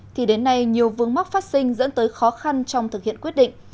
thì đến nay nhiều vương mắc phát sinh dẫn tới khó khăn trong thực hiện quyết định